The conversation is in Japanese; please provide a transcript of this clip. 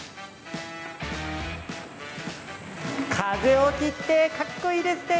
風を切ってかっこいいですね。